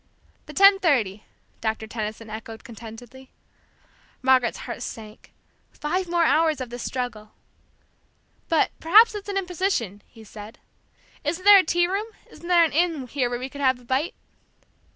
"The ten thirty," Doctor Tenison echoed contentedly. Margaret's heart sank, five more hours of the struggle! "But perhaps that's an imposition," he said. "Isn't there a tea room isn't there an inn here where we could have a bite?"